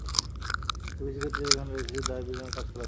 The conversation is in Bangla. তবে কিছু ক্ষেত্র আছে, যেখানে শুধু দরিদ্রদের জন্য কাজ করা যায় না।